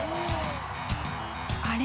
あれ？